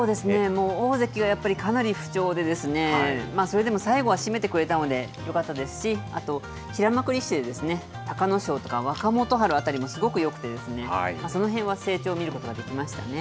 もう大関がやっぱりかなり不調でそれでも最後は締めてくれたのでよかったですし、あと平幕力士で、隆の勝とか、若元春あたりもすごくよくて、そのへんは成長を見ることができましたね。